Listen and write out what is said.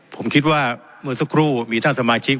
ผมคิดว่าเมื่อสักครู่มีท่านสมาชิก